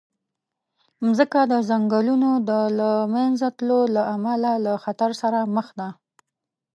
مځکه د ځنګلونو د له منځه تلو له امله له خطر سره مخ ده.